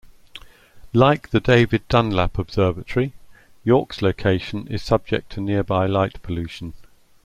Like the David Dunlap Observatory, York's location is subject to nearby light pollution.